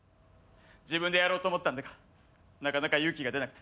自分でやろうと思ったんだがなかなか勇気が出なくて。